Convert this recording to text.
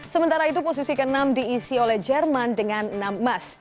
sementara itu posisi ke enam diisi oleh jerman dengan enam emas